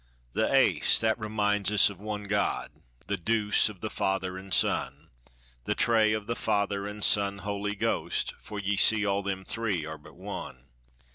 "The 'ace'; that reminds us of one God; The 'deuce' of the Father an' Son; The 'tray' of the Father, an' Son, Holy Ghost, For ye see all them three are but one.